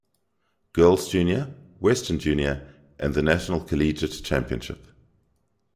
Girls' Junior, Western Junior, and the National Collegiate Championship.